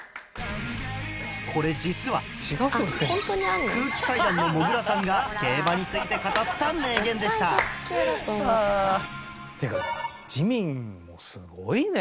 これ実は空気階段のもぐらさんが競馬について語った名言でしたっていうかジミンもすごいね。